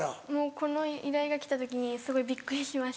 この依頼が来た時にすごいびっくりしました。